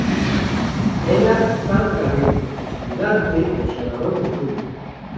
Era Izán Garrido, estudante e xogador de fútbol.